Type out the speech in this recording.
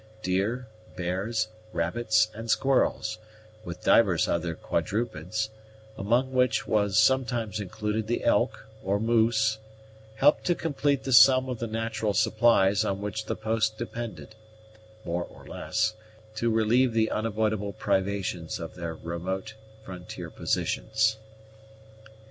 Deer, bears, rabbits, and squirrels, with divers other quadrupeds, among which was sometimes included the elk, or moose, helped to complete the sum of the natural supplies on which all the posts depended, more or less, to relieve the unavoidable privations of their remote frontier positions.